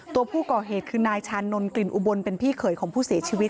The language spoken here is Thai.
ตัวผู้ก่อเหตุคือนายชานนท์กลิ่นอุบลเป็นพี่เขยของผู้เสียชีวิต